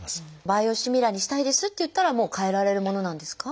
バイオシミラーにしたいですって言ったらもう替えられるものなんですか？